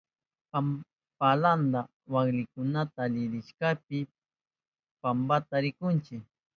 Palanta mallkikunata allarishkapi pampashpa rihunchi.